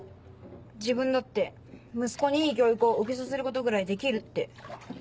自分だって息子にいい教育を受けさせることぐらいできるって。